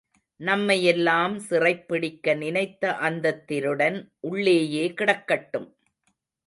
நம்மையெல்லாம் சிறைப்பிடிக்க நினைத்த அந்தத் திருடன் உள்ளேயே கிடக்கட்டும்.